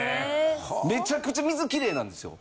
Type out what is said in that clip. めちゃくちゃ水キレイなんですよ。